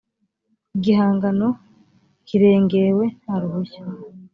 igihangano kirengewe nta ruhushya